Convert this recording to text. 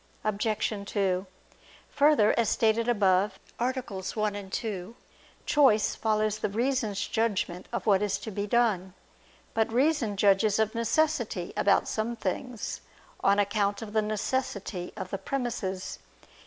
Obj. 2: Further, as stated above (A. 1, ad 2), choice follows the reason's judgment of what is to be done. But reason judges of necessity about some things: on account of the necessity of the premises.